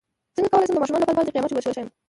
څنګه کولی شم د ماشومانو لپاره د قیامت نښې وښایم